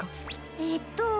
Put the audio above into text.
えっと。